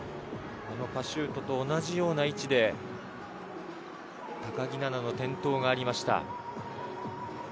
パシュートと同じような位置で高木菜那の転倒がありました。